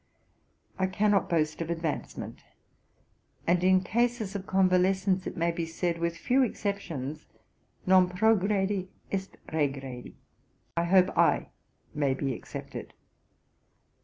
I cannot boast of advancement, and in cases of convalescence it may be said, with few exceptions, non progredi, est regredi. I hope I may be excepted.